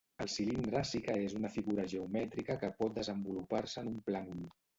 El cilindre sí que és una figura geomètrica que pot desenvolupar-se en un plànol.